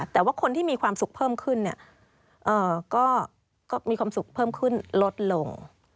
แต่ว่าคนที่มีความสุขเพิ่มขึ้นก็มีความสุขเพิ่มขึ้นลดลง